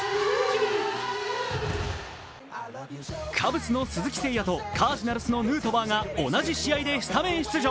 カブスの鈴木誠也とカージナルスのヌートバーが同じ試合でスタメン出場。